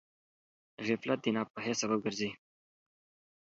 غفلت د ناپوهۍ سبب ګرځي.